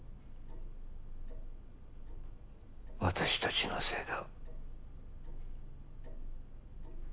私たちのせいだ。